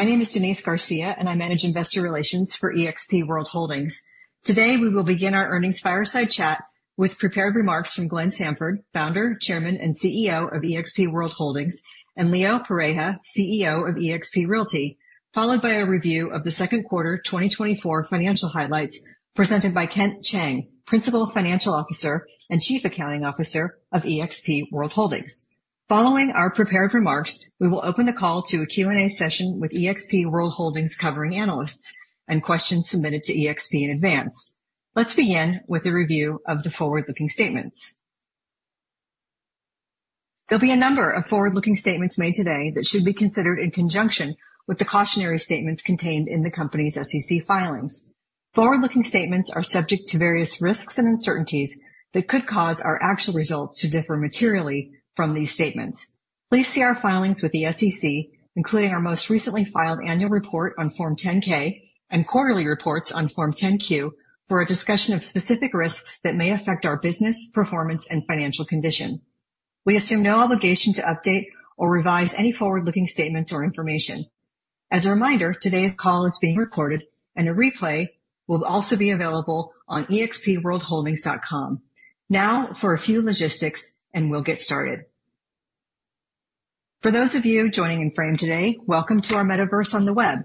My name is Denise Garcia, and I manage investor relations for eXp World Holdings. Today, we will begin our earnings fireside chat with prepared remarks from Glenn Sanford, Founder, Chairman, and CEO of eXp World Holdings, and Leo Pareja, CEO of eXp Realty, followed by a review of the second quarter 2024 financial highlights presented by Kent Cheng, Principal Financial Officer and Chief Accounting Officer of eXp World Holdings. Following our prepared remarks, we will open the call to a Q&A session with eXp World Holdings covering analysts and questions submitted to eXp in advance. Let's begin with a review of the forward-looking statements. There'll be a number of forward-looking statements made today that should be considered in conjunction with the cautionary statements contained in the company's SEC filings. Forward-looking statements are subject to various risks and uncertainties that could cause our actual results to differ materially from these statements. Please see our filings with the SEC, including our most recently filed annual report on Form 10-K and quarterly reports on Form 10-Q, for a discussion of specific risks that may affect our business, performance, and financial condition. We assume no obligation to update or revise any forward-looking statements or information. As a reminder, today's call is being recorded, and a replay will also be available on expworldholdings.com. Now, for a few logistics, and we'll get started. For those of you joining in Frame today, welcome to our metaverse on the web.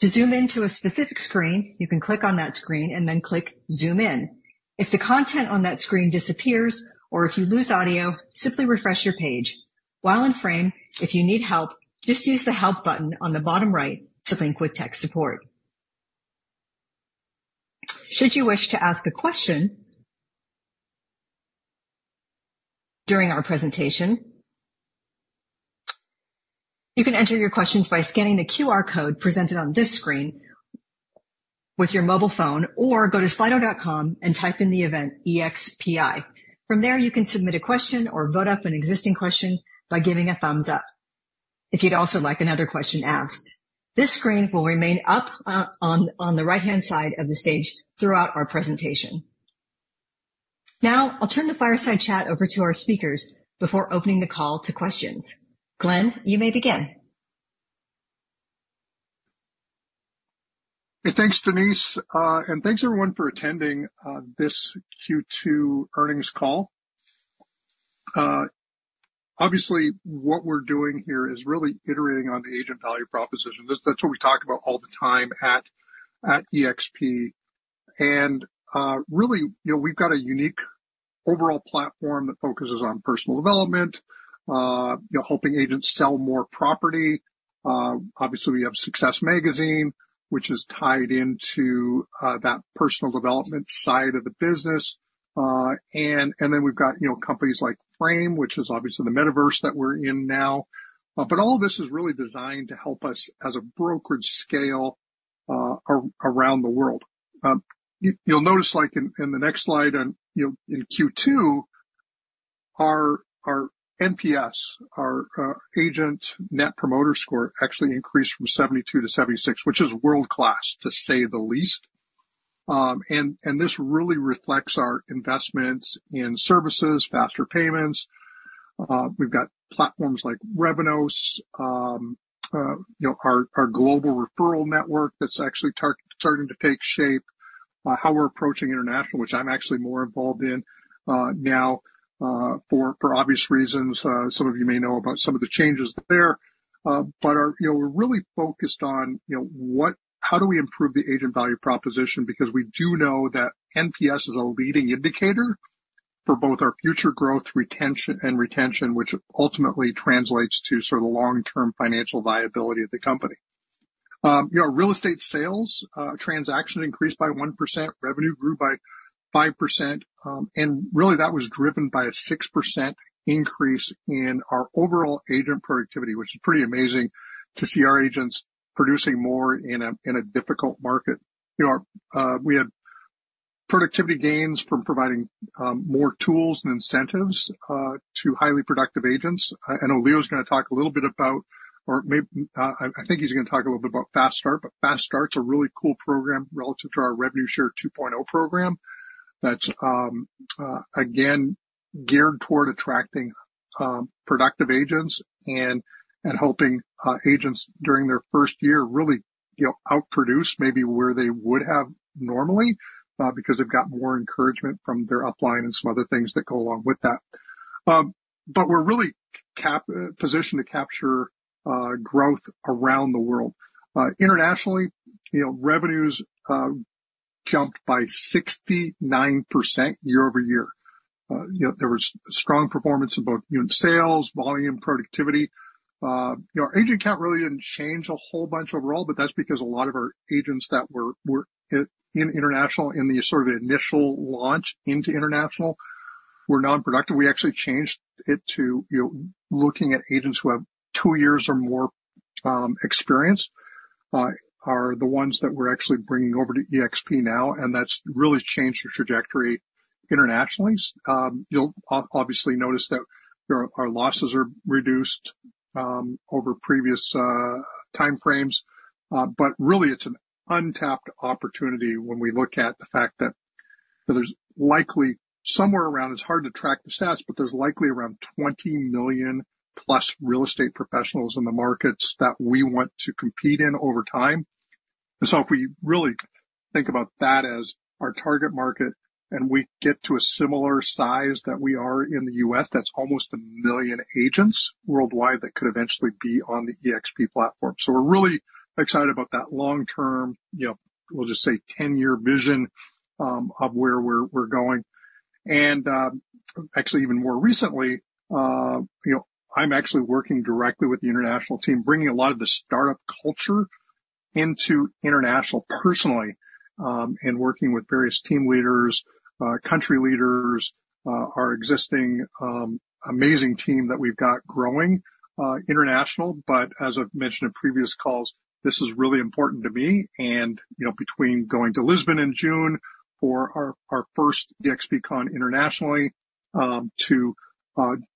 To zoom in to a specific screen, you can click on that screen and then click Zoom In. If the content on that screen disappears or if you lose audio, simply refresh your page. While in Frame, if you need help, just use the Help button on the bottom right to link with tech support. Should you wish to ask a question during our presentation, you can enter your questions by scanning the QR code presented on this screen with your mobile phone, or go to slido.com and type in the event eXp. From there, you can submit a question or vote up an existing question by giving a thumbs up if you'd also like another question asked. This screen will remain up on the right-hand side of the stage throughout our presentation. Now, I'll turn the fireside chat over to our speakers before opening the call to questions. Glenn, you may begin. Hey, thanks, Denise. And thanks, everyone, for attending this Q2 earnings call. Obviously, what we're doing here is really iterating on the agent value proposition. That's what we talk about all the time at eXp. And really, you know, we've got a unique overall platform that focuses on personal development, you know, helping agents sell more property. Obviously, we have SUCCESS Magazine, which is tied into that personal development side of the business. And then we've got, you know, companies like Frame, which is obviously the metaverse that we're in now. But all this is really designed to help us as a brokerage scale around the world. You'll notice, like, in the next slide, and, you know, in Q2, our aNPS, our agent Net Promoter Score, actually increased from 72 to 76, which is world-class, to say the least. This really reflects our investments in services, faster payments. We've got platforms like Revenos, you know, our global referral network that's actually starting to take shape, how we're approaching international, which I'm actually more involved in, now, for obvious reasons. But, you know, we're really focused on, you know, what—how do we improve the agent value proposition? Because we do know that aNPS is a leading indicator for both our future growth, retention, and retention, which ultimately translates to sort of the long-term financial viability of the company. You know, real estate sales transaction increased by 1%, revenue grew by 5%, and really, that was driven by a 6% increase in our overall agent productivity, which is pretty amazing to see our agents producing more in a, in a difficult market. You know, we had productivity gains from providing more tools and incentives to highly productive agents. I know Leo's gonna talk a little bit about, I think he's gonna talk a little bit about Fast Start. But Fast Start's a really cool program relative to our Revenue Share 2.0 program that's again geared toward attracting productive agents and helping agents during their first year really, you know, outproduce maybe where they would have normally because they've got more encouragement from their upline and some other things that go along with that. But we're really positioned to capture growth around the world. Internationally, you know, revenues jumped by 69% year-over-year. You know, there was strong performance in both unit sales, volume, productivity. You know, our agent count really didn't change a whole bunch overall, but that's because a lot of our agents that were in international, in the sort of initial launch into international, were non-productive. We actually changed it to, you know, looking at agents who have two years or more experience, are the ones that we're actually bringing over to eXp now, and that's really changed the trajectory internationally. You'll obviously notice that our losses are reduced over previous timeframes. But really, it's an untapped opportunity when we look at the fact that. So there's likely somewhere around, it's hard to track the stats, but there's likely around 20 million+ real estate professionals in the markets that we want to compete in over time. And so if we really think about that as our target market, and we get to a similar size that we are in the US, that's almost 1 million agents worldwide that could eventually be on the eXp platform. So we're really excited about that long-term, you know, we'll just say, ten-year vision of where we're going. Actually, even more recently, you know, I'm actually working directly with the international team, bringing a lot of the startup culture into international personally, and working with various team leaders, country leaders, our existing, amazing team that we've got growing, international. But as I've mentioned in previous calls, this is really important to me, and, you know, between going to Lisbon in June for our first eXp Con internationally, to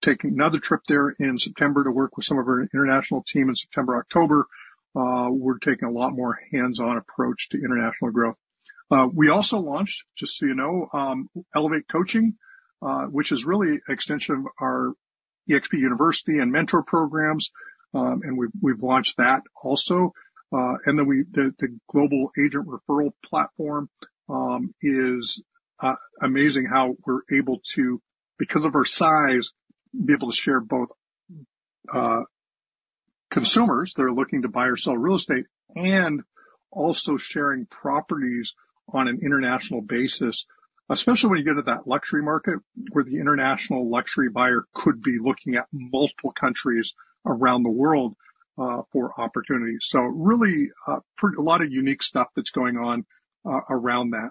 taking another trip there in September to work with some of our international team in September, October, we're taking a lot more hands-on approach to international growth. We also launched, just so you know, Elevate Coaching, which is really an extension of our eXp University and Mentor programs. And we've launched that also. And then the global agent referral platform is amazing how we're able to, because of our size, be able to share both consumers that are looking to buy or sell real estate, and also sharing properties on an international basis, especially when you get to that luxury market, where the international luxury buyer could be looking at multiple countries around the world for opportunities. So really, a lot of unique stuff that's going on around that.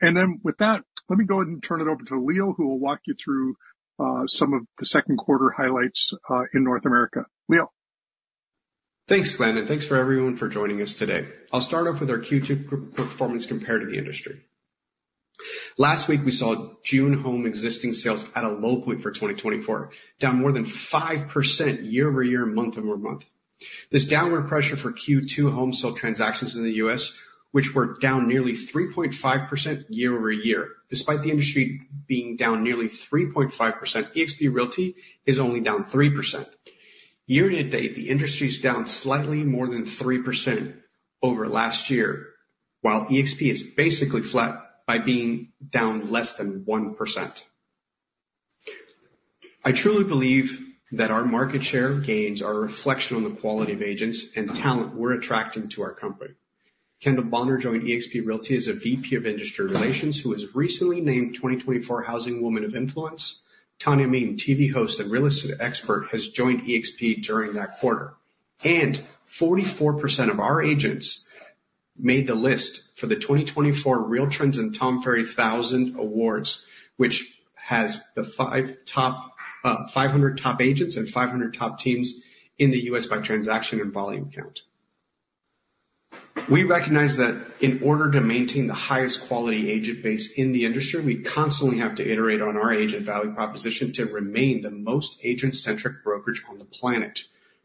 And then with that, let me go ahead and turn it over to Leo, who will walk you through some of the second-quarter highlights in North America. Leo? Thanks, Glenn, and thanks to everyone for joining us today. I'll start off with our Q2 performance compared to the industry. Last week, we saw June existing home sales at a low point for 2024, down more than 5% year-over-year, month-over-month. This downward pressure for Q2 homes sold transactions in the U.S., which were down nearly 3.5% year-over-year. Despite the industry being down nearly 3.5%, eXp Realty is only down 3%. Year to date, the industry is down slightly more than 3% over last year, while eXp is basically flat by being down less than 1%. I truly believe that our market share gains are a reflection on the quality of agents and talent we're attracting to our company. Kendall Bonner joined eXp Realty as a VP of Industry Relations, who was recently named 2024 Housing Woman of Influence. Tanya Memme, TV host and real estate expert, has joined eXp during that quarter. 44% of our agents made the list for the 2024 RealTrends and Tom Ferry The Thousand Awards, which has the 500 top agents and 500 top teams in the U.S. by transaction and volume count. We recognize that in order to maintain the highest quality agent base in the industry, we constantly have to iterate on our agent value proposition to remain the most agent-centric brokerage on the planet.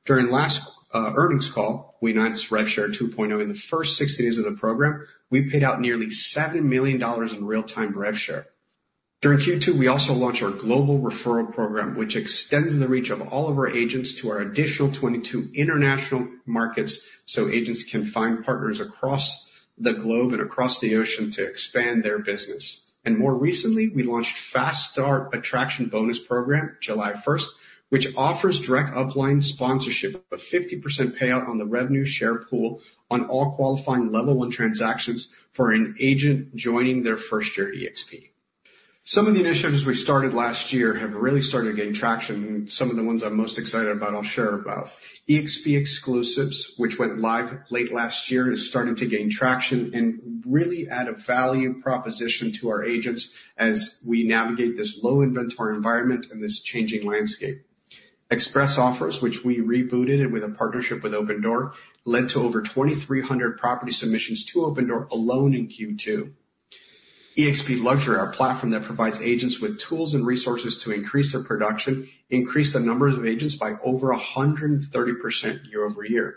During last earnings call, we announced RevShare 2.0. In the first 60 days of the program, we paid out nearly $7 million in real-time RevShare. During Q2, we also launched our global referral program, which extends the reach of all of our agents to our additional 22 international markets, so agents can find partners across the globe and across the ocean to expand their business. More recently, we launched Fast Start Attraction Bonus Program, July 1st, which offers direct upline sponsorship, a 50% payout on the revenue share pool on all qualifying Level 1 transactions for an agent joining their first year at eXp. Some of the initiatives we started last year have really started gaining traction, and some of the ones I'm most excited about, I'll share about. eXp Exclusives, which went live late last year, is starting to gain traction and really add a value proposition to our agents as we navigate this low inventory environment and this changing landscape. Express Offers, which we rebooted with a partnership with Opendoor, led to over 2,300 property submissions to Opendoor alone in Q2. eXp Luxury, our platform that provides agents with tools and resources to increase their production, increased the number of agents by over 130% year-over-year.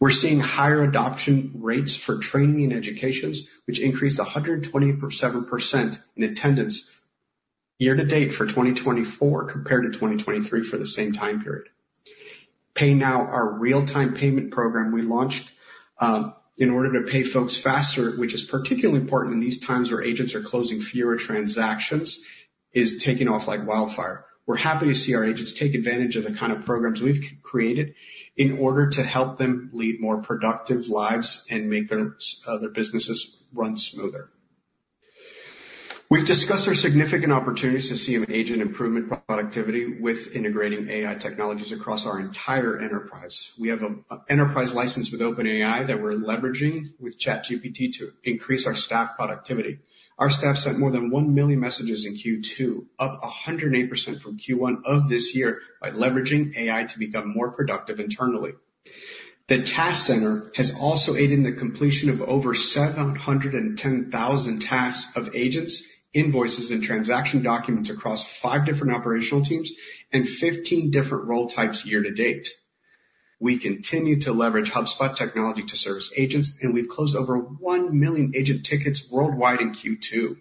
We're seeing higher adoption rates for training and education, which increased 127% in attendance year-to-date for 2024 compared to 2023 for the same time period. PayNow, our real-time payment program we launched in order to pay folks faster, which is particularly important in these times where agents are closing fewer transactions, is taking off like wildfire. We're happy to see our agents take advantage of the kind of programs we've created in order to help them lead more productive lives and make their businesses run smoother. We've discussed our significant opportunities to see an agent improvement productivity with integrating AI technologies across our entire enterprise. We have a enterprise license with OpenAI that we're leveraging with ChatGPT to increase our staff productivity. Our staff sent more than 1 million messages in Q2, up 108% from Q1 of this year, by leveraging AI to become more productive internally. The Task Center has also aided in the completion of over 710,000 tasks of agents, invoices, and transaction documents across 5 different operational teams and 15 different role types year to date. We continue to leverage HubSpot technology to service agents, and we've closed over 1 million agent tickets worldwide in Q2.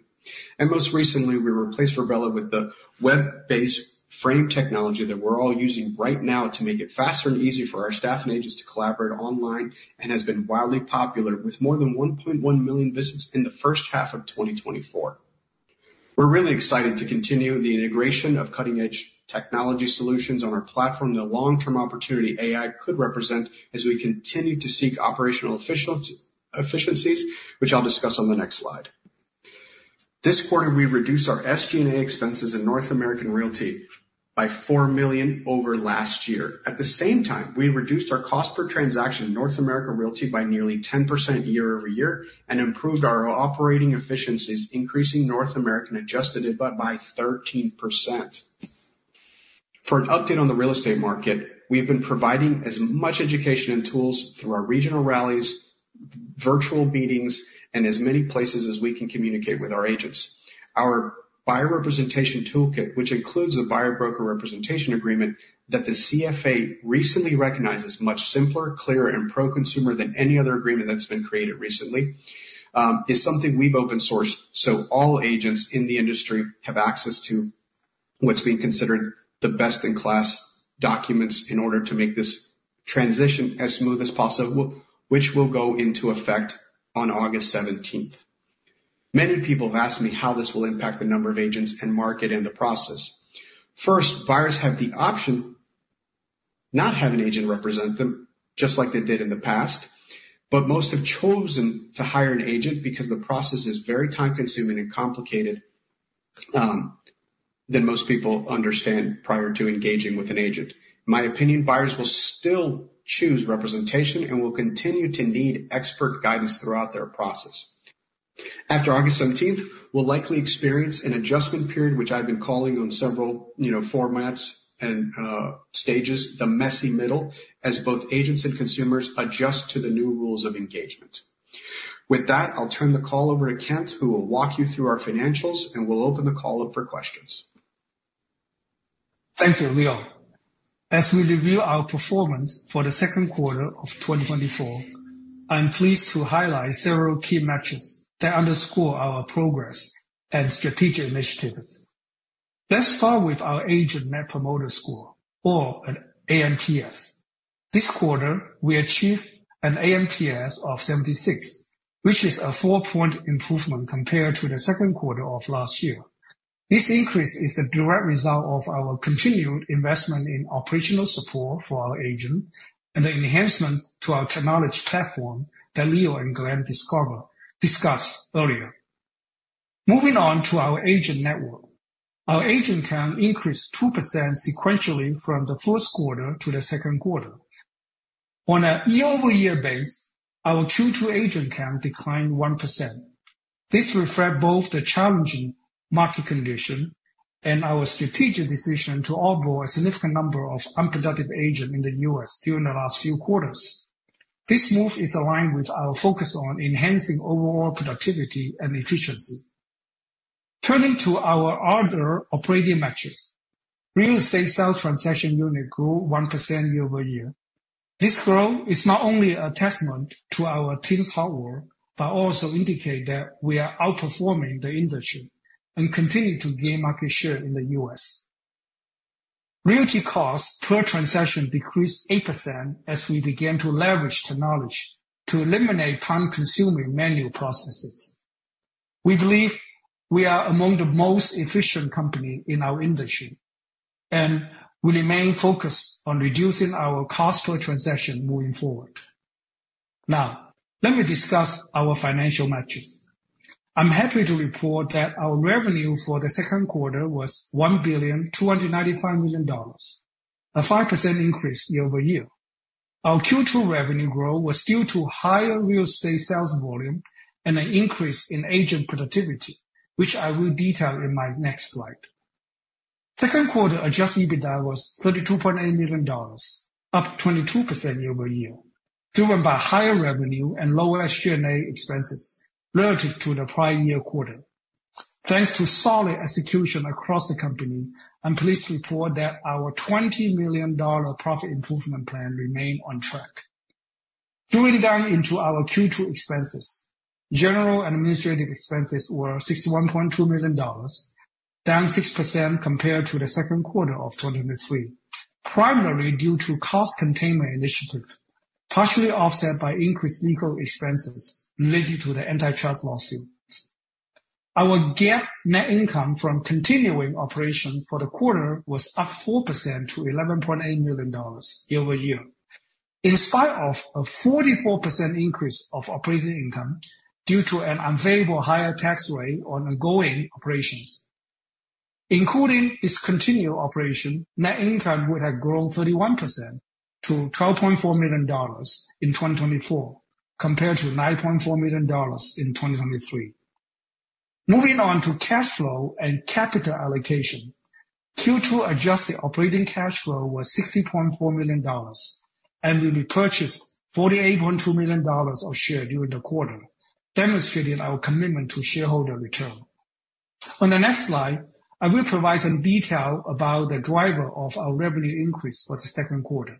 And most recently, we replaced Virbela with the web-based Frame technology that we're all using right now to make it faster and easier for our staff and agents to collaborate online, and has been wildly popular, with more than 1.1 million visits in the first half of 2024. We're really excited to continue the integration of cutting-edge technology solutions on our platform, the long-term opportunity AI could represent as we continue to seek operational efficiencies, which I'll discuss on the next slide. This quarter, we reduced our SG&A expenses in North American realty by $4 million over last year. At the same time, we reduced our cost per transaction in North American realty by nearly 10% year-over-year and improved our operating efficiencies, increasing North American Adjusted EBITDA by 13%. For an update on the real estate market, we've been providing as much education and tools through our regional rallies, virtual meetings, and as many places as we can communicate with our agents. Our buyer representation toolkit, which includes a Buyer Broker Representation Agreement that the CFPB recently recognized as much simpler, clearer, and pro-consumer than any other agreement that's been created recently, is something we've open-sourced so all agents in the industry have access to what's being considered the best-in-class documents in order to make this transition as smooth as possible, which will go into effect on August 17. Many people have asked me how this will impact the number of agents and market and the process. First, buyers have the option not to have an agent represent them, just like they did in the past, but most have chosen to hire an agent because the process is very time-consuming and complicated than most people understand prior to engaging with an agent. In my opinion, buyers will still choose representation and will continue to need expert guidance throughout their process. After August seventeenth, we'll likely experience an adjustment period, which I've been calling on several, you know, formats and stages, the messy middle, as both agents and consumers adjust to the new rules of engagement. With that, I'll turn the call over to Kent, who will walk you through our financials, and we'll open the call up for questions. Thank you, Leo. As we review our performance for the second quarter of 2024, I'm pleased to highlight several key metrics that underscore our progress and strategic initiatives. Let's start with our Agent Net Promoter Score, or NPS. This quarter, we achieved an NPS of 76, which is a 4-point improvement compared to the second quarter of last year. This increase is a direct result of our continued investment in operational support for our agents and the enhancement to our technology platform that Leo and Glenn discussed earlier. Moving on to our agent network. Our agent count increased 2% sequentially from the first quarter to the second quarter. On a year-over-year basis, our Q2 agent count declined 1%. This reflects both the challenging market conditions and our strategic decision to onboard a significant number of unproductive agents in the U.S. during the last few quarters. This move is aligned with our focus on enhancing overall productivity and efficiency. Turning to our other operating metrics. Real estate sales transaction unit grew 1% year-over-year. This growth is not only a testament to our team's hard work, but also indicate that we are outperforming the industry and continue to gain market share in the U.S. Realty costs per transaction decreased 8% as we began to leverage technology to eliminate time-consuming manual processes. We believe we are among the most efficient company in our industry, and we remain focused on reducing our cost per transaction moving forward. Now, let me discuss our financial metrics. I'm happy to report that our revenue for the second quarter was $1.295 billion, a 5% increase year-over-year. Our Q2 revenue growth was due to higher real estate sales volume and an increase in agent productivity, which I will detail in my next slide. Second quarter Adjusted EBITDA was $32.8 million, up 22% year-over-year, driven by higher revenue and lower SG&A expenses relative to the prior year quarter. Thanks to solid execution across the company, I'm pleased to report that our $20 million profit improvement plan remains on track. Drilling down into our Q2 expenses, general and administrative expenses were $61.2 million, down 6% compared to the second quarter of 2023, primarily due to cost containment initiatives, partially offset by increased legal expenses related to the antitrust lawsuit. Our GAAP net income from continuing operations for the quarter was up 4% to $11.8 million year-over-year, in spite of a 44% increase of operating income due to an unfavorable higher tax rate on ongoing operations. Including discontinued operation, net income would have grown 31% to $12.4 million in 2024, compared to $9.4 million in 2023. Moving on to cash flow and capital allocation. Q2 Adjusted operating cash flow was $60.4 million, and we repurchased $48.2 million of shares during the quarter, demonstrating our commitment to shareholder return. On the next slide, I will provide some detail about the driver of our revenue increase for the second quarter.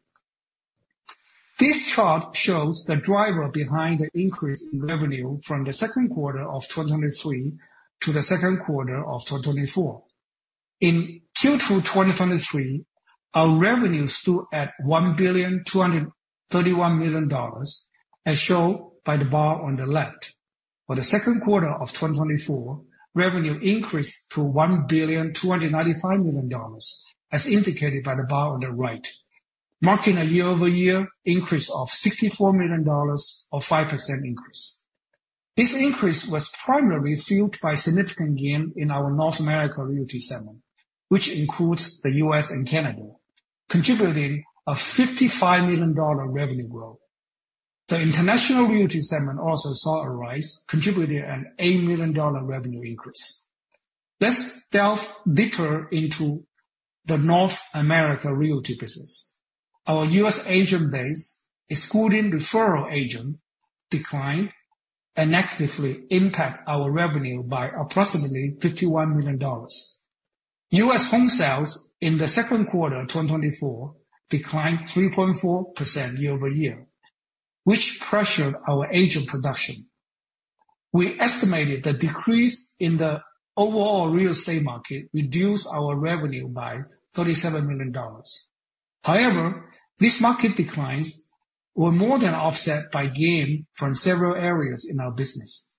This chart shows the driver behind the increase in revenue from the second quarter of 2023 to the second quarter of 2024. In Q2 2023, our revenue stood at $1,231 million, as shown by the bar on the left. For the second quarter of 2024, revenue increased to $1,295 million, as indicated by the bar on the right, marking a year-over-year increase of $64 million, or 5% increase. This increase was primarily fueled by significant gain in our North America Realty segment, which includes the U.S. and Canada, contributing a $55 million revenue growth. The international realty segment also saw a rise, contributing an $8 million revenue increase. Let's delve deeper into the North America realty business. Our U.S. agent base, excluding referral agent, declined and negatively impact our revenue by approximately $51 million. U.S. home sales in the second quarter of 2024 declined 3.4% year-over-year, which pressured our agent production. We estimated the decrease in the overall real estate market reduced our revenue by $37 million. However, these market declines were more than offset by gain from several areas in our business.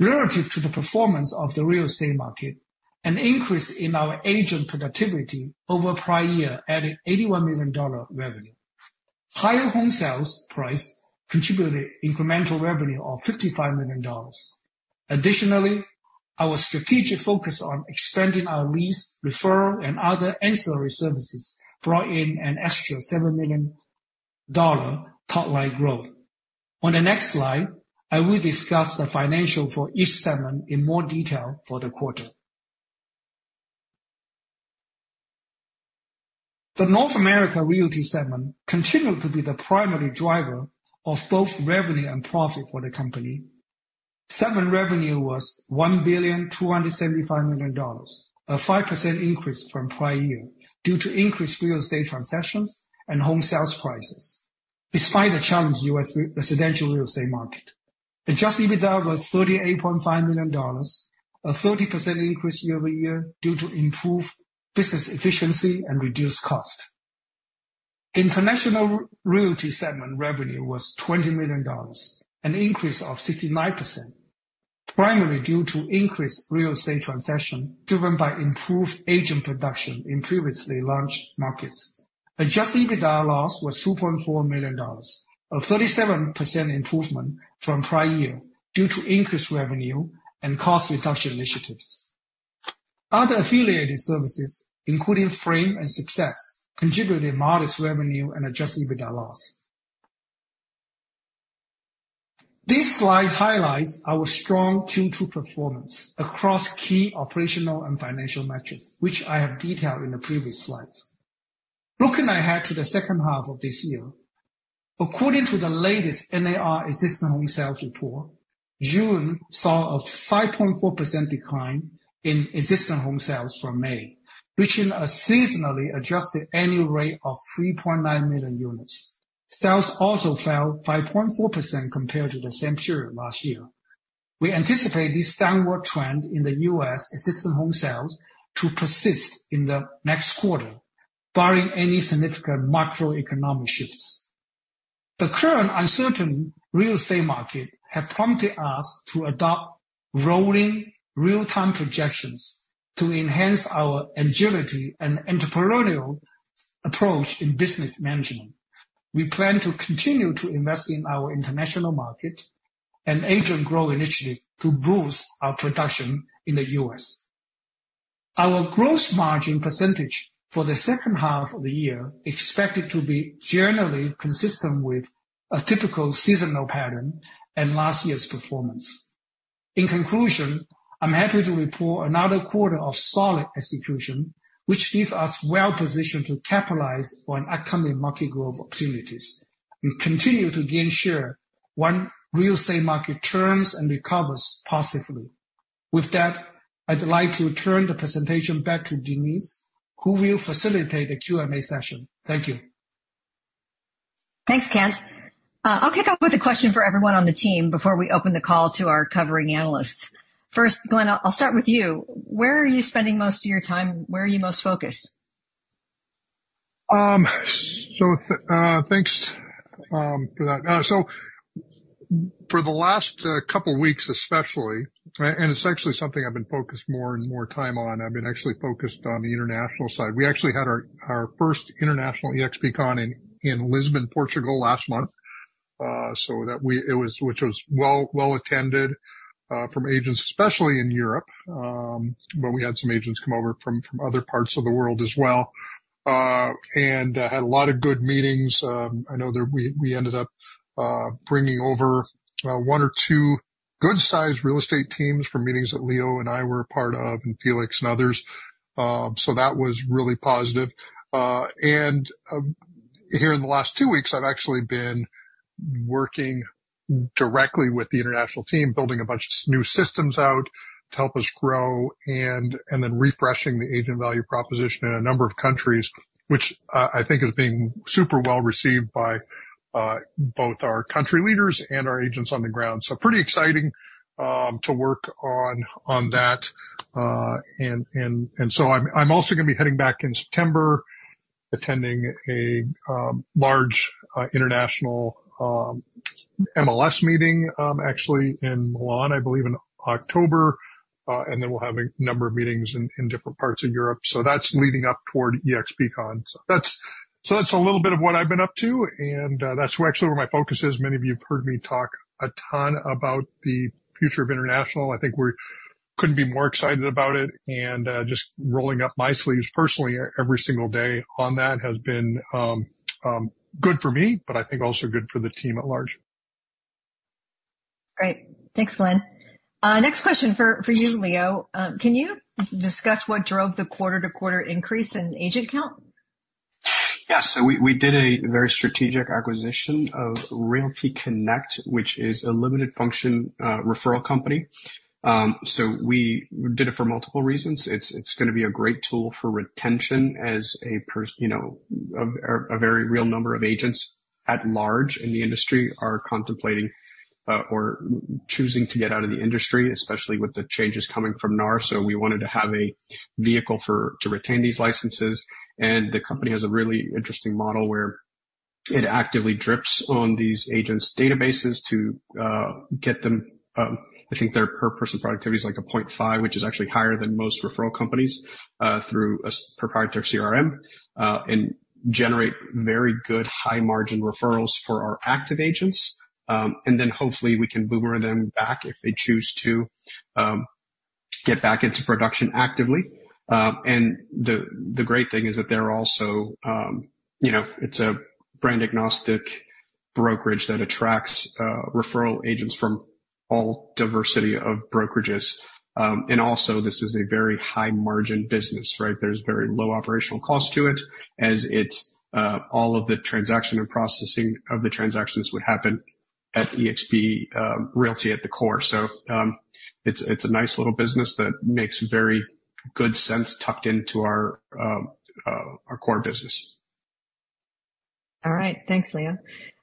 Relative to the performance of the real estate market, an increase in our agent productivity over prior year, adding $81 million dollar revenue. Higher home sales price contributed incremental revenue of $55 million. Additionally, our strategic focus on expanding our lease, referral, and other ancillary services brought in an extra $7 million dollar top line growth. On the next slide, I will discuss the financial for each segment in more detail for the quarter. The North America Realty segment continued to be the primary driver of both revenue and profit for the company. Segment revenue was $1.275 billion, a 5% increase from prior year due to increased real estate transactions and home sales prices, despite a challenged U.S. residential real estate market. Adjusted EBITDA was $38.5 million, a 30% increase year-over-year due to improved business efficiency and reduced costs. International Realty segment revenue was $20 million, an increase of 69%, primarily due to increased real estate transactions, driven by improved agent production in previously launched markets. Adjusted EBITDA loss was $2.4 million, a 37% improvement from the prior year due to increased revenue and cost reduction initiatives. Other affiliated services, including Frame and Success, contributed modest revenue and Adjusted EBITDA loss. This slide highlights our strong Q2 performance across key operational and financial metrics, which I have detailed in the previous slides. Looking ahead to the second half of this year, according to the latest NAR Existing Home Sales report, June saw a 5.4% decline in existing home sales from May, reaching a seasonally adjusted annual rate of 3.9 million units. Sales also fell 5.4% compared to the same period last year. We anticipate this downward trend in the U.S. existing home sales to persist in the next quarter, barring any significant macroeconomic shifts. The current uncertain real estate market have prompted us to adopt rolling real-time projections to enhance our agility and entrepreneurial approach in business management. We plan to continue to invest in our international market and agent growth initiative to boost our production in the U.S. Our gross margin percentage for the second half of the year expected to be generally consistent with a typical seasonal pattern and last year's performance. In conclusion, I'm happy to report another quarter of solid execution, which leaves us well-positioned to capitalize on upcoming market growth opportunities and continue to gain share when real estate market turns and recovers positively. With that, I'd like to turn the presentation back to Denise, who will facilitate the Q&A session. Thank you. Thanks, Kent. I'll kick off with a question for everyone on the team before we open the call to our covering analysts. First, Glenn, I'll start with you. Where are you spending most of your time? Where are you most focused? So thanks for that. So for the last couple of weeks, especially, and it's actually something I've been focused more and more time on, I've been actually focused on the international side. We actually had our first international eXp Con in Lisbon, Portugal, last month. So that was which was well attended from agents, especially in Europe, but we had some agents come over from other parts of the world as well. And had a lot of good meetings. I know that we ended up bringing over one or two good-sized real estate teams for meetings that Leo and I were a part of, and Felix and others. So that was really positive. And here in the last two weeks, I've actually been working directly with the international team, building a bunch of new systems out to help us grow, and then refreshing the agent value proposition in a number of countries, which I think is being super well received by both our country leaders and our agents on the ground. So pretty exciting to work on that. And so I'm also gonna be heading back in September, attending a large international MLS meeting actually in Milan, I believe, in October. And then we'll have a number of meetings in different parts of Europe. So that's leading up toward eXp Con. So that's a little bit of what I've been up to, and that's actually where my focus is. Many of you have heard me talk a ton about the future of international. I think we couldn't be more excited about it, and just rolling up my sleeves personally, every single day on that has been good for me, but I think also good for the team at large. Great. Thanks, Glenn. Next question for you, Leo. Can you discuss what drove the quarter-to-quarter increase in agent count? Yeah, so we did a very strategic acquisition of Realty Connect, which is a limited-function referral company. So we did it for multiple reasons. It's gonna be a great tool for retention as per you know, a very real number of agents at large in the industry are contemplating or choosing to get out of the industry, especially with the changes coming from NAR. So we wanted to have a vehicle to retain these licenses, and the company has a really interesting model where it actively drips on these agents' databases to get them. I think their per-person productivity is like 0.5, which is actually higher than most referral companies through a proprietary CRM and generate very good high-margin referrals for our active agents. And then hopefully we can boomerang them back if they choose to get back into production actively. The great thing is that they're also, you know, it's a brand-agnostic brokerage that attracts referral agents from all diversity of brokerages. Also, this is a very high-margin business, right? There's very low operational cost to it, as it's all of the transaction and processing of the transactions would happen at eXp Realty at the core. So, it's a nice little business that makes very good sense, tucked into our core business. All right. Thanks,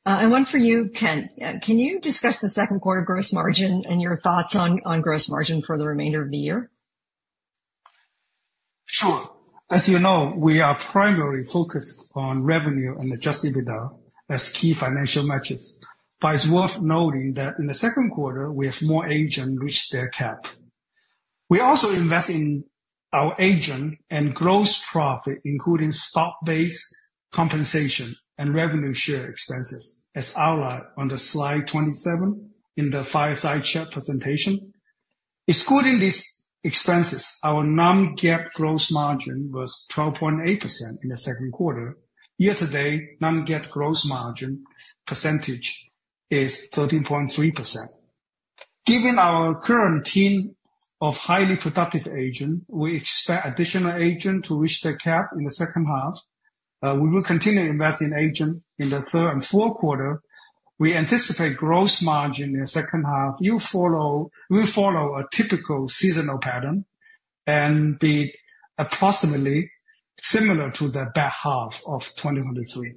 Leo. One for you, Kent. Can you discuss the second quarter gross margin and your thoughts on gross margin for the remainder of the year? Sure. As you know, we are primarily focused on revenue and Adjusted EBITDA as key financial metrics. It's worth noting that in the second quarter, we have more agent reach their cap. We also invest in our agent and gross profit, including stock-based compensation and revenue share expenses, as outlined on the slide 27 in the fireside chat presentation. Excluding these expenses, our non-GAAP gross margin was 12.8% in the second quarter. Year to date, non-GAAP gross margin percentage is 13.3%. Given our current team of highly productive agent, we expect additional agent to reach their cap in the second half. We will continue to invest in agent in the third and fourth quarter. We anticipate gross margin in the second half will follow a typical seasonal pattern and be approximately similar to the back half of 2023.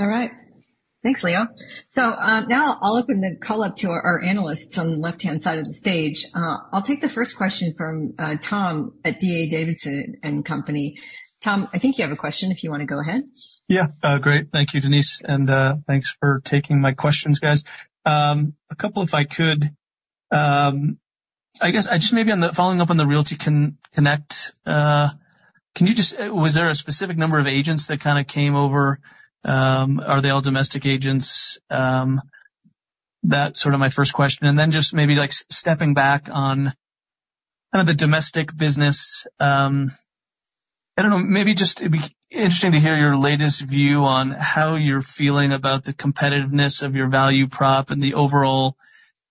All right. Thanks, Leo. So, now I'll open the call up to our analysts on the left-hand side of the stage. I'll take the first question from Tom at D.A. Davidson & Company. Tom, I think you have a question, if you wanna go ahead. Yeah. Great. Thank you, Denise, and thanks for taking my questions, guys. A couple if I could. I guess I just maybe on the -- following up on the Realty Connect, can you just -- was there a specific number of agents that kind of came over? Are they all domestic agents? That's sort of my first question. And then just maybe, like, stepping back on kind of the domestic business, I don't know, maybe just it'd be interesting to hear your latest view on how you're feeling about the competitiveness of your value prop and the overall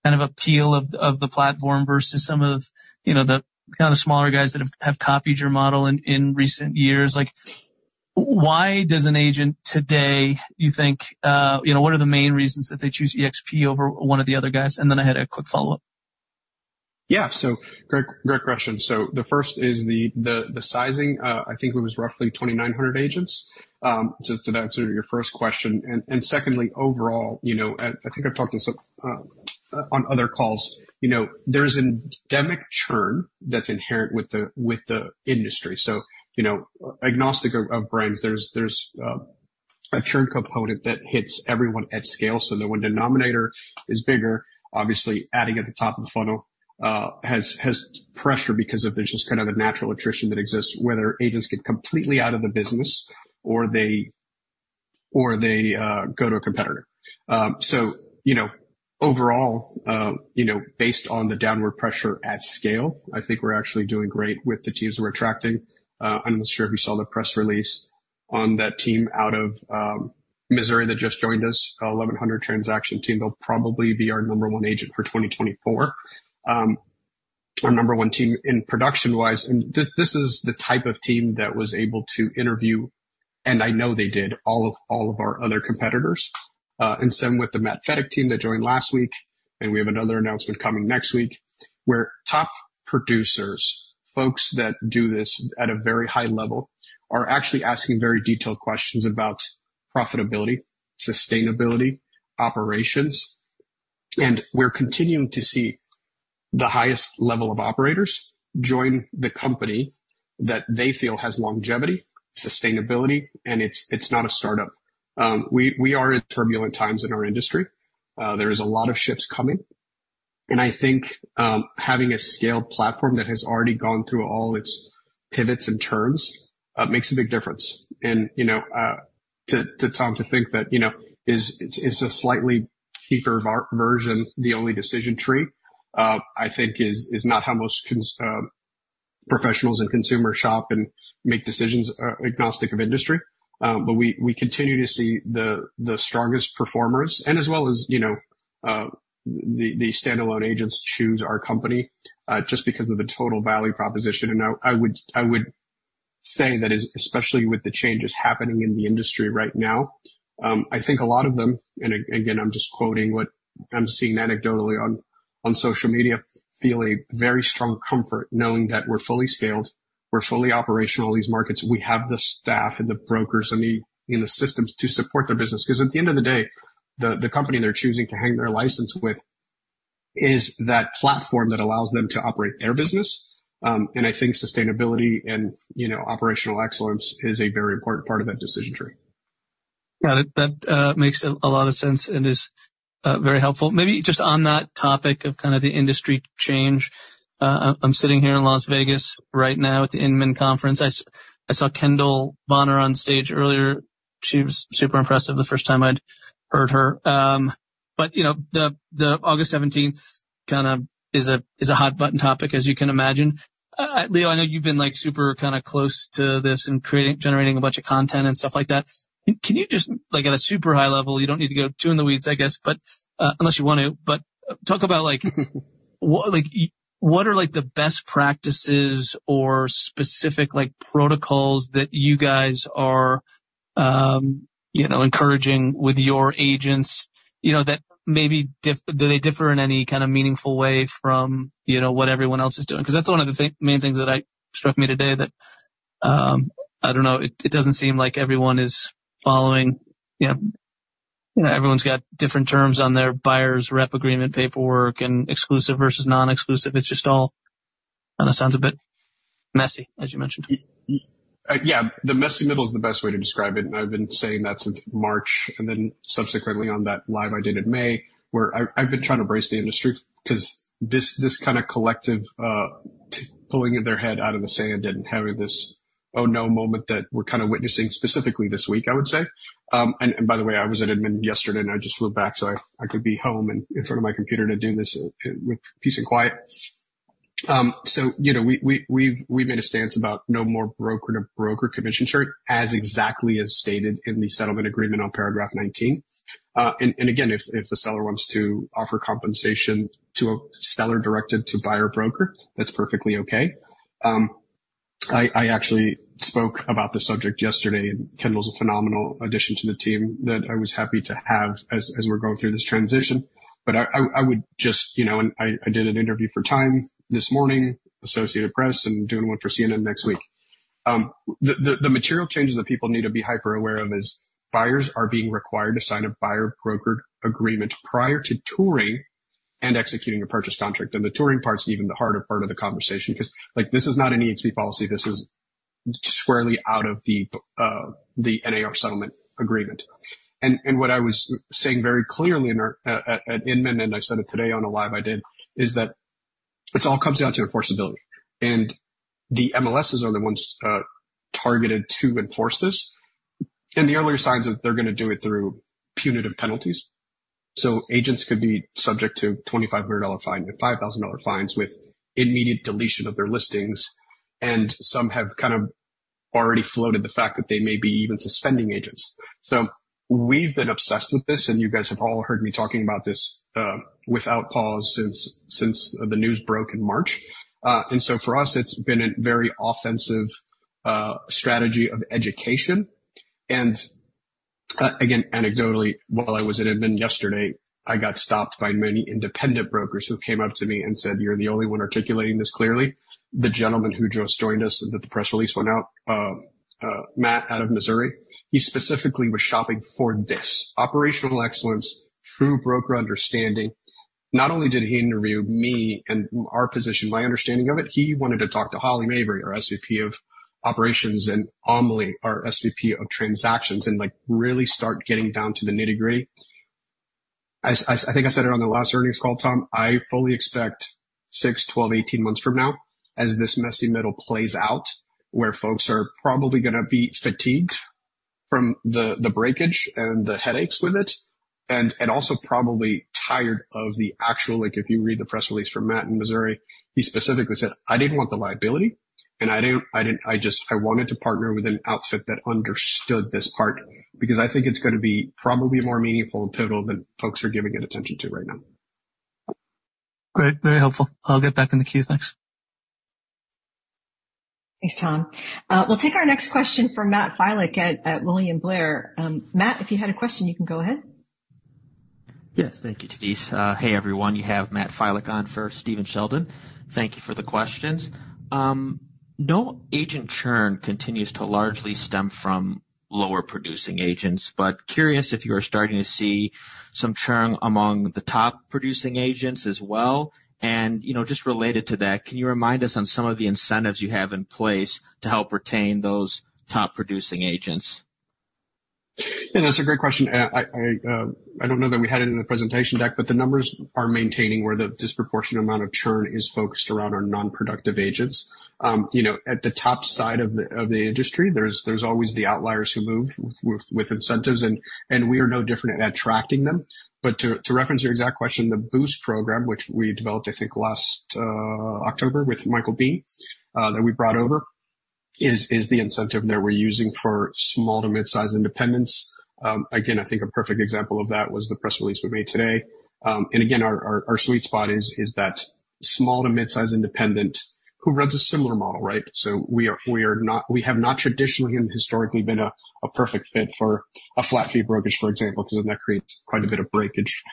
kind of appeal of the, of the platform versus some of, you know, the kind of smaller guys that have, have copied your model in, in recent years. Like, why does an agent today, you think, you know, what are the main reasons that they choose eXp over one of the other guys? And then I had a quick follow-up. Yeah, so great, great question. So the first is the sizing. I think it was roughly 2,900 agents to answer your first question. And secondly, overall, you know, I think I've talked this up on other calls. You know, there's endemic churn that's inherent with the industry. So, you know, agnostic of brands, there's a churn component that hits everyone at scale, so the one denominator is bigger. Obviously, adding at the top of the funnel has pressure because there's just kind of a natural attrition that exists, whether agents get completely out of the business or they go to a competitor. So, you know, overall, you know, based on the downward pressure at scale, I think we're actually doing great with the teams we're attracting. I'm not sure if you saw the press release on that team out of Missouri that just joined us, a 1,100-transaction team. They'll probably be our number one agent for 2024. Our number one team in production-wise, and this is the type of team that was able to interview, and I know they did, all of our other competitors, and same with the Matt Fetick Team that joined last week, and we have another announcement coming next week, where top producers, folks that do this at a very high level, are actually asking very detailed questions about profitability, sustainability, operations. And we're continuing to see the highest level of operators join the company that they feel has longevity, sustainability, and it's not a startup. We are in turbulent times in our industry. There is a lot of shifts coming, and I think having a scaled platform that has already gone through all its pivots and turns makes a big difference. And, you know, to Tom, to think that, you know, it's a slightly cheaper bar version, the only decision tree, I think is not how most cons professionals and consumers shop and make decisions, agnostic of industry. But we continue to see the strongest performers and as well as, you know, the standalone agents choose our company just because of the total value proposition. And I would say that is, especially with the changes happening in the industry right now, I think a lot of them, and again, I'm just quoting what I'm seeing anecdotally on social media, feel a very strong comfort knowing that we're fully scaled, we're fully operational in these markets. We have the staff and the brokers and the systems to support their business. Because at the end of the day, the company they're choosing to hang their license with is that platform that allows them to operate their business. And I think sustainability and, you know, operational excellence is a very important part of that decision tree. Got it. That makes a lot of sense and is very helpful. Maybe just on that topic of kind of the industry change, I'm sitting here in Las Vegas right now at the Inman Conference. I saw Kendall Bonner on stage earlier. She was super impressive, the first time I'd heard her. But, you know, the August 17th kind of is a hot button topic, as you can imagine. Leo, I know you've been, like, super, kind of close to this and creating, generating a bunch of content and stuff like that. Can you just, like, at a super high level, you don't need to go too in the weeds, I guess, but unless you want to, but talk about, like, what, like, what are, like, the best practices or specific, like, protocols that you guys are, you know, encouraging with your agents? You know, that maybe differ. Do they differ in any kind of meaningful way from, you know, what everyone else is doing? 'Cause that's one of the main things that struck me today, that, I don't know, it, it doesn't seem like everyone is following, you know. You know, everyone's got different terms on their buyer's rep agreement, paperwork, and exclusive versus non-exclusive. It's just all, it sounds a bit messy, as you mentioned. Yeah, the messy middle is the best way to describe it, and I've been saying that since March, and then subsequently on that live I did in May, where I've been trying to brace the industry. 'Cause this kind of collective pulling of their head out of the sand and having this "Oh, no" moment that we're kind of witnessing specifically this week, I would say. And by the way, I was at Inman yesterday, and I just flew back so I could be home and in front of my computer to do this with peace and quiet. So, you know, we've made a stance about no more broker-to-broker commission share exactly as stated in the settlement agreement on paragraph 19. And again, if the seller wants to offer compensation to a seller-directed buyer broker, that's perfectly okay. I actually spoke about this subject yesterday, and Kendall's a phenomenal addition to the team that I was happy to have as we're going through this transition. But I would just... You know, and I did an interview for Time this morning, Associated Press, and doing one for CNN next week. The material changes that people need to be hyper-aware of is, buyers are being required to sign a buyer-broker agreement prior to touring and executing a purchase contract, and the touring part's even the harder part of the conversation, 'cause, like, this is not an eXp policy, this is squarely out of the NAR settlement agreement. What I was saying very clearly at Inman, and I said it today on a live I did, is that it's all comes down to enforceability, and the MLSs are the ones targeted to enforce this. And the earlier signs are that they're gonna do it through punitive penalties. So agents could be subject to $2,500-$5,000 fines, with immediate deletion of their listings, and some have kind of already floated the fact that they may be even suspend agents. So we've been obsessed with this, and you guys have all heard me talking about this without pause since the news broke in March. And so for us, it's been a very offensive strategy of education. And, again, anecdotally, while I was at Inman yesterday, I got stopped by many independent brokers who came up to me and said, "You're the only one articulating this clearly." The gentleman who just joined us, and that the press release went out, Matt, out of Missouri, he specifically was shopping for this: operational excellence, true broker understanding. Not only did he interview me and our position, my understanding of it, he wanted to talk to Holly Mabry, our SVP of Operations, and Amelie, our SVP of Transactions, and, like, really start getting down to the nitty-gritty. As I, I think I said it on the last earnings call, Tom, I fully expect 6, 12, 18 months from now, as this messy middle plays out, where folks are probably gonna be fatigued from the, the breakage and the headaches with it, and, and also probably tired of the actual, like, if you read the press release from Matt in Missouri, he specifically said, "I didn't want the liability." And I don't, I didn't, I just, I wanted to partner with an outfit that understood this part, because I think it's gonna be probably more meaningful in total than folks are giving it attention to right now. Great, very helpful. I'll get back in the queue. Thanks. Thanks, Tom. We'll take our next question from Matt Filek at William Blair. Matt, if you had a question, you can go ahead. Yes. Thank you, Denise. Hey, everyone, you have Matt Filek on for Stephen Sheldon. Thank you for the questions. Know agent churn continues to largely stem from lower-producing agents, but curious if you are starting to see some churn among the top-producing agents as well? And, you know, just related to that, can you remind us on some of the incentives you have in place to help retain those top-producing agents? Yeah, that's a great question, and I don't know that we had it in the presentation deck, but the numbers are maintaining where the disproportionate amount of churn is focused around our non-productive agents. You know, at the top side of the industry, there's always the outliers who move with incentives, and we are no different at attracting them. But to reference your exact question, the Boost program, which we developed, I think, last October with Michael Bean that we brought over, is the incentive that we're using for small to mid-sized independents. Again, I think a perfect example of that was the press release we made today. And again, our sweet spot is that small to mid-sized independent who runs a similar model, right? We are not. We have not traditionally and historically been a perfect fit for a flat fee brokerage, for example, because then that creates quite a bit of breakage,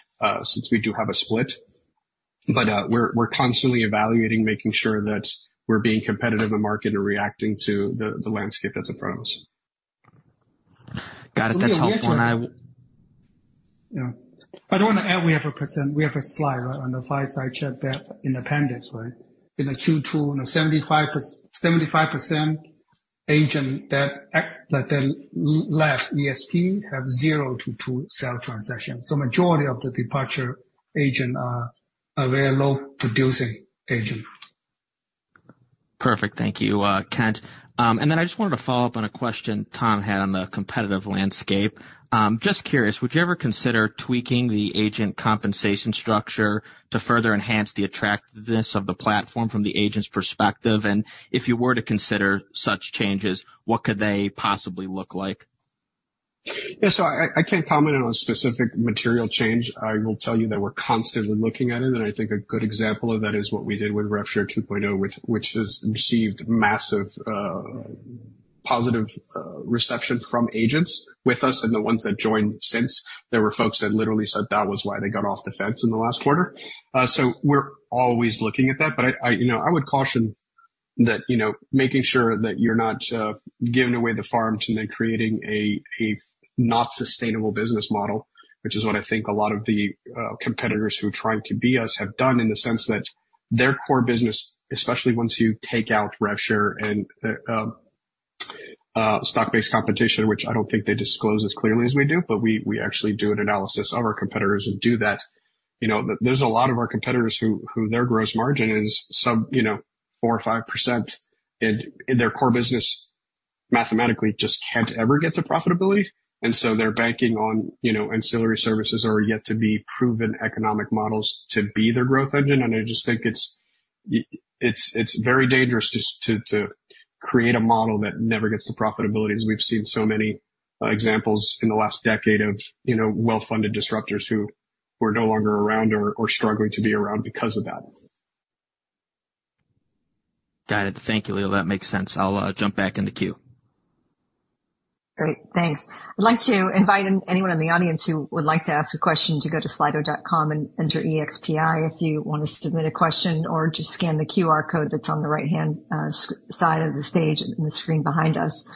since we do have a split. But, we're constantly evaluating, making sure that we're being competitive in the market and reacting to the landscape that's in front of us. Got it. That's helpful. And I- Yeah. I don't want to add, we have a percent-- we have a slide on the fireside chat, that independence, right? In the Q2, you know, 75, 75% agents that then left eXp have 0-2 sales transactions, so majority of the departure agents are a very low producing agent. Perfect. Thank you, Kent. Then I just wanted to follow up on a question Tom had on the competitive landscape. Just curious, would you ever consider tweaking the agent compensation structure to further enhance the attractiveness of the platform from the agent's perspective? And if you were to consider such changes, what could they possibly look like? Yeah, so I can't comment on a specific material change. I will tell you that we're constantly looking at it, and I think a good example of that is what we did with RevShare 2.0, which has received massive positive reception from agents with us and the ones that joined since. There were folks that literally said that was why they got off the fence in the last quarter. So we're always looking at that. But I, you know, I would caution that, you know, making sure that you're not giving away the farm and then creating a not sustainable business model, which is what I think a lot of the competitors who are trying to be us have done, in the sense that their core business, especially once you take out RevShare and the stock-based competition, which I don't think they disclose as clearly as we do, but we actually do an analysis of our competitors and do that. You know, there's a lot of our competitors who their gross margin is some, you know, 4 or 5%, and their core business mathematically just can't ever get to profitability, and so they're banking on, you know, ancillary services or yet to be proven economic models to be their growth engine. I just think it's very dangerous to create a model that never gets to profitability, as we've seen so many examples in the last decade of, you know, well-funded disruptors who are no longer around or struggling to be around because of that. Got it. Thank you, Leo. That makes sense. I'll jump back in the queue. Great. Thanks. I'd like to invite anyone in the audience who would like to ask a question to go to Slido.com and enter EXPI if you want to submit a question or just scan the QR code that's on the right-hand side of the stage, in the screen behind us.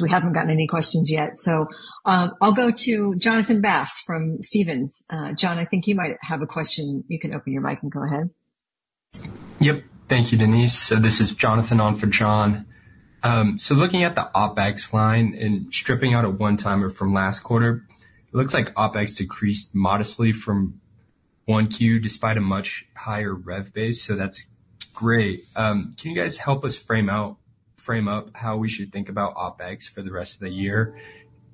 We haven't gotten any questions yet, so I'll go to Jonathan Bass from Stephens. Jonathan, I think you might have a question. You can open your mic and go ahead. Yep. Thank you, Denise. So this is Jonathan on for John. So looking at the OpEx line and stripping out a one-timer from last quarter, it looks like OpEx decreased modestly from 1Q, despite a much higher rev base, so that's great. Can you guys help us frame out, frame up how we should think about OpEx for the rest of the year?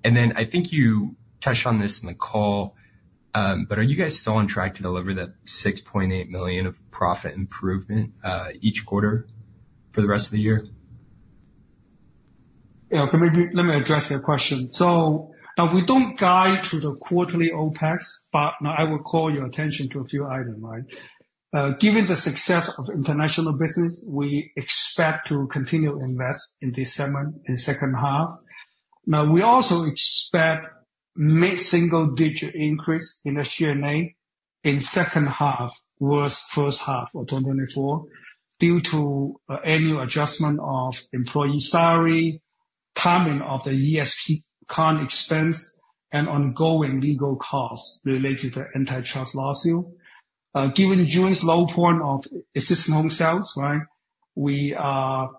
And then I think you touched on this in the call, but are you guys still on track to deliver that $6.8 million of profit improvement each quarter for the rest of the year? Yeah, let me address your question. So, we don't guide to the quarterly OpEx, but I will call your attention to a few items, right? Given the success of international business, we expect to continue to invest in this segment in the second half. Now, we also expect a mid-single digit increase in the SG&A in second half, versus first half of 2024, due to annual adjustment of employee salary, timing of the eXp Con expense, and ongoing legal costs related to antitrust lawsuit. Given June's low point of existing home sales, right? Now,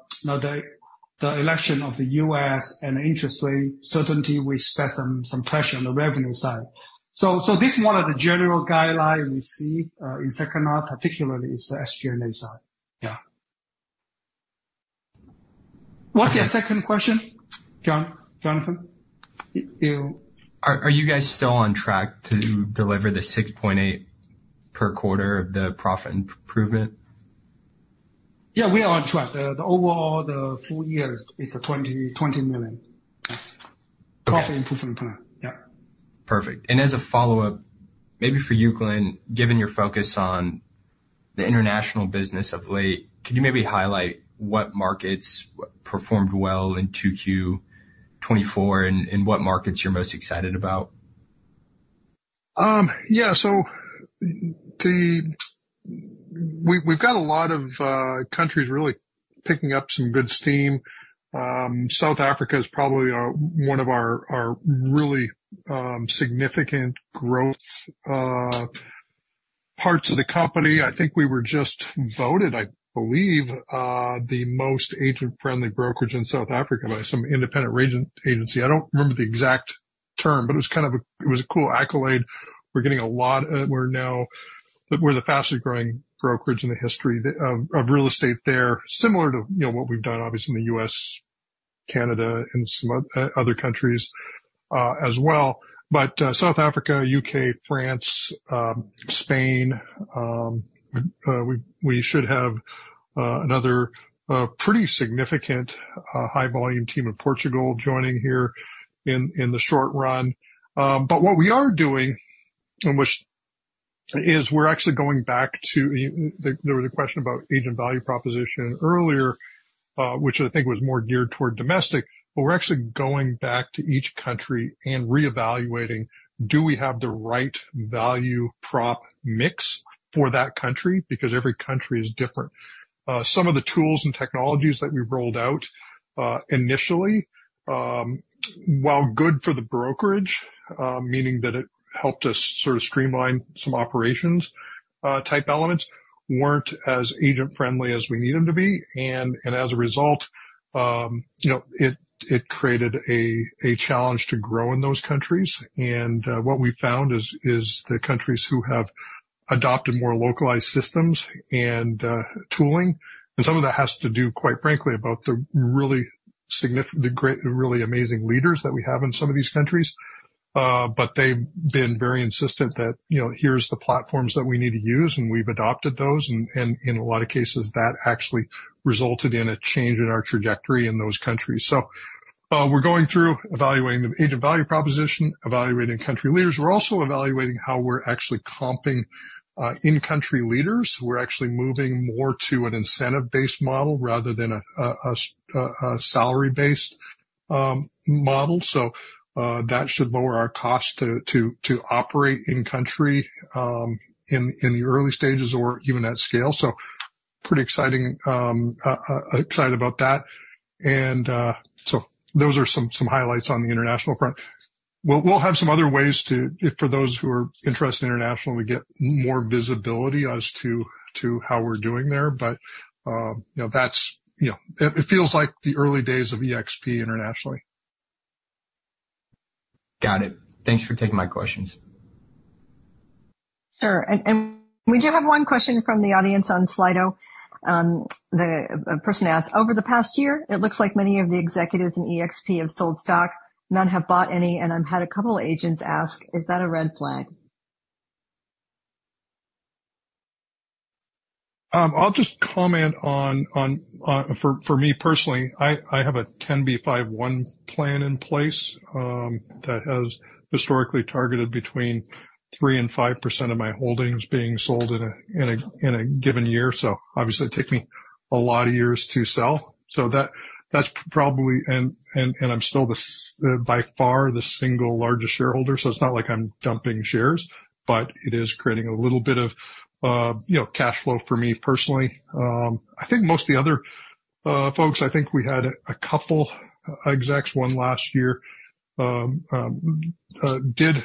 the election of the U.S. and interest rate certainty, we expect some pressure on the revenue side. So, this is one of the general guidelines we see in second half particularly is the SG&A side. Yeah. What's your second question, John? Jonathan, you- Are you guys still on track to deliver the $6.8 per quarter of the profit improvement? Yeah, we are on track. The overall, the full year is a $20 million profit improvement plan. Yeah. Perfect. And as a follow-up, maybe for you, Glenn, given your focus on the international business of late, can you maybe highlight what markets performed well in 2Q 2024, and, and what markets you're most excited about? Yeah, so we, we've got a lot of countries really picking up some good steam. South Africa is probably our, one of our, our really significant growth parts of the company. I think we were just voted, I believe, the most agent-friendly brokerage in South Africa by some independent rating agency. I don't remember the exact term, but it was kind of it was a cool accolade. We're getting a lot, we're now, we're the fastest growing brokerage in the history of real estate there. Similar to, you know, what we've done, obviously, in the U.S., Canada, and some other countries, as well. But South Africa, U.K., France, Spain, we should have another pretty significant high volume team in Portugal joining here in the short run. But what we are doing, and which, is we're actually going back to. There was a question about agent value proposition earlier, which I think was more geared toward domestic, but we're actually going back to each country and reevaluating, do we have the right value prop mix for that country? Because every country is different. Some of the tools and technologies that we've rolled out initially, while good for the brokerage, meaning that it helped us sort of streamline some operations type elements, weren't as agent-friendly as we need them to be. And as a result, you know, it created a challenge to grow in those countries. What we found is the countries who have adopted more localized systems and tooling, and some of that has to do, quite frankly, about the really significant, the great, really amazing leaders that we have in some of these countries. But they've been very insistent that, you know, "Here's the platforms that we need to use," and we've adopted those, and in a lot of cases, that actually resulted in a change in our trajectory in those countries. So, we're going through evaluating the agent value proposition, evaluating country leaders. We're also evaluating how we're actually comping in-country leaders. We're actually moving more to an incentive-based model rather than a salary-based model. So, that should lower our cost to operate in country in the early stages or even at scale. So pretty exciting, excited about that. And so those are some highlights on the international front. We'll have some other ways for those who are interested in international to get more visibility as to how we're doing there. But you know, that's, you know, it feels like the early days of eXp internationally. Got it. Thanks for taking my questions. Sure. And we do have one question from the audience on Slido. A person asked, "Over the past year, it looks like many of the executives in eXp have sold stock. None have bought any, and I've had a couple of agents ask, is that a red flag? I'll just comment on, for me personally, I have a 10b5-1 plan in place, that has historically targeted between 3% and 5% of my holdings being sold in a given year. So obviously, it takes me a lot of years to sell. So that's probably... And I'm still the single by far, the single largest shareholder, so it's not like I'm dumping shares, but it is creating a little bit of, you know, cash flow for me personally. I think most of the other folks, I think we had a couple execs, one last year, did,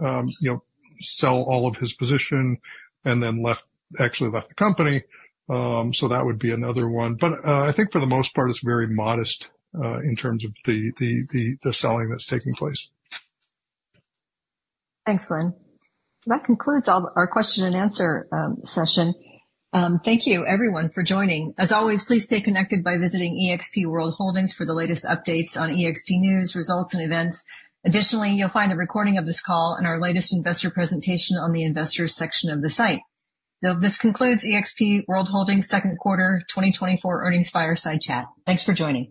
you know, sell all of his position and then left, actually left the company. So that would be another one. But, I think for the most part, it's very modest in terms of the selling that's taking place. Thanks, Glenn. That concludes all our question-and-answer session. Thank you, everyone, for joining. As always, please stay connected by visiting eXp World Holdings for the latest updates on eXp news, results, and events. Additionally, you'll find a recording of this call and our latest investor presentation on the Investors section of the site. This concludes eXp World Holdings' second quarter 2024 earnings fireside chat. Thanks for joining.